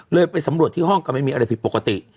ไปสำรวจที่ห้องก็ไม่มีอะไรผิดปกติ